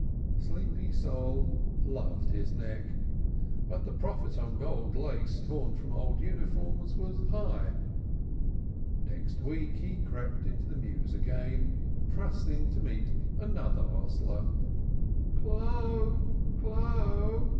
Sleepy Sol loved his neck, but the profit on gold lace torn from old uniforms was high. Next week he crept into the mews again, trusting to meet another hostler. "Clo'! Clo'!"